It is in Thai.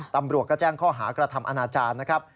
ตำรวจก็แจ้งข้อหากระทำอนาจารย์นะครับ